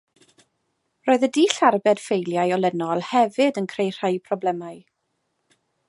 Roedd y dull arbed ffeiliau olynol hefyd yn creu rhai problemau.